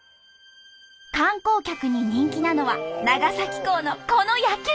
観光客に人気なのは長崎港のこの夜景！